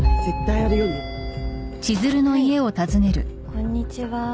こんにちは。